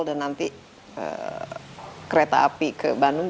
dan nanti kereta api ke bandung